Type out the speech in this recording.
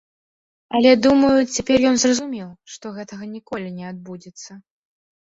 Але думаю, цяпер ён зразумеў, што гэтага ніколі не адбудзецца.